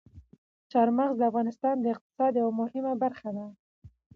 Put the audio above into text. چار مغز د افغانستان د اقتصاد یوه مهمه برخه ده.